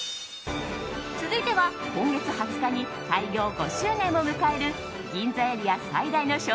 続いては、今月２０日に開業５周年を迎える銀座エリア最大の